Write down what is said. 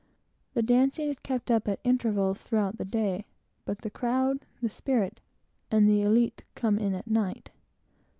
The dancing is kept up, at intervals, throughout the day, but the crowd, the spirit, and the élite, come in at night.